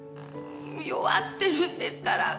弱ってるんですから。